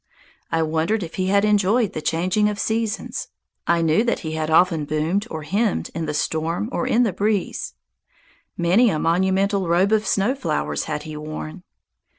I wondered if he had enjoyed the changing of seasons. I knew that he had often boomed or hymned in the storm or in the breeze. Many a monumental robe of snow flowers had he worn.